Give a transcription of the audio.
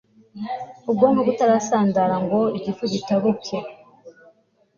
ubwonko butarasandara ngo igifu gitabuke